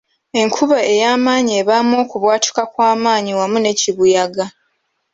Enkuba eyamaanyi ebaamu okubwatuka kwamaanyi wamu ne kibuyaga.